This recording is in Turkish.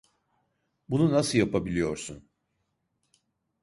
Bunu nasıl yapabiliyorsun?